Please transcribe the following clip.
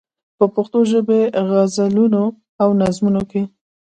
په پښتو ژبې غزلونو او نظمونو کې.